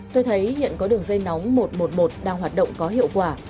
tôi thấy hiện có đường dây nóng một trăm một mươi một đang hoạt động có hiệu quả